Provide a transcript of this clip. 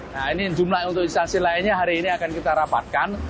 nah ini jumlah untuk instansi lainnya hari ini akan kita rapatkan